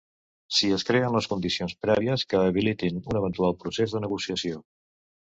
Si es creen les condicions prèvies que habilitin un eventual procés de negociació.